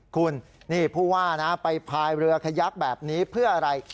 คุณนี่ผู้ว่านะไปพายเรือขยักแบบนี้เพื่ออะไร